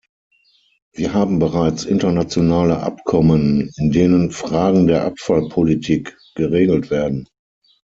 Wir haben bereits internationale Abkommen, in denen Fragen der Abfallpolitik geregelt werden.